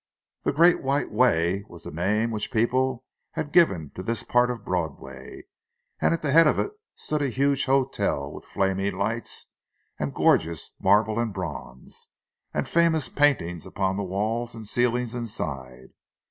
"The Great White Way" was the name which people had given to this part of Broadway; and at the head of it stood a huge hotel with flaming lights, and gorgeous marble and bronze, and famous paintings upon the walls and ceilings inside.